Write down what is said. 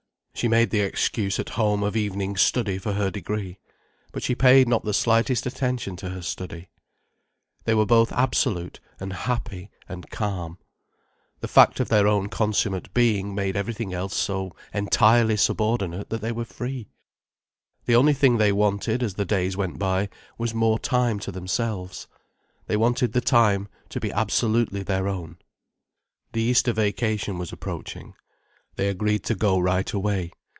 She made the excuse at home of evening study for her degree. But she paid not the slightest attention to her study. They were both absolute and happy and calm. The fact of their own consummate being made everything else so entirely subordinate that they were free. The only thing they wanted, as the days went by, was more time to themselves. They wanted the time to be absolutely their own. The Easter vacation was approaching. They agreed to go right away.